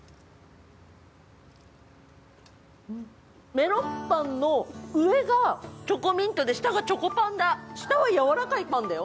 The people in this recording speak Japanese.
メロンパンの上がチョコミントで、下がチョコパンだ、下はやわらかいパンだよ。